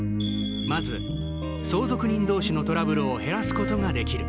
まず、相続人同士のトラブルを減らすことができる。